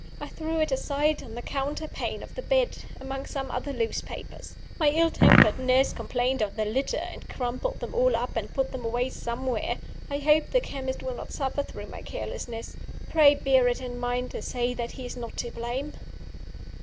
I threw it aside on the counterpane of the bed, among some other loose papers. My ill tempered nurse complained of the litter, and crumpled them all up and put them away somewhere. I hope the chemist will not suffer through my carelessness. Pray bear it in mind to say that he is not to blame.